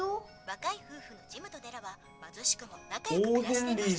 若い夫婦のジムとデラは貧しくも仲良く暮らしていました。